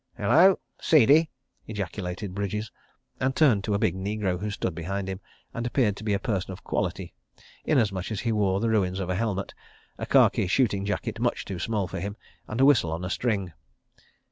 "Hullo! Seedy?" ejaculated Bridges, and turned to a big negro who stood behind him, and appeared to be a person of quality, inasmuch as he wore the ruins of a helmet, a khaki shooting jacket much too small for him, and a whistle on a string.